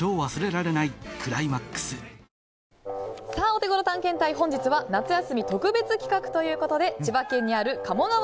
オテゴロ探検隊、本日は夏休み特別企画ということで千葉県にある鴨川